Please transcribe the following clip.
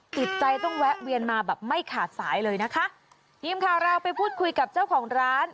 ติดใจต้องแวะเวียนมาแบบไม่ขาดสายเลยนะคะทีมข่าวเราไปพูดคุยกับเจ้าของร้าน